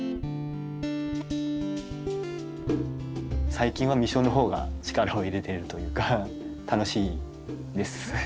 最近は実生のほうが力を入れているというか楽しいです。